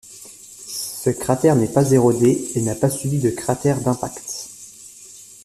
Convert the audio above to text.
Ce cratère n'est pas érodé et n'a pas subi de cratères d'impacts.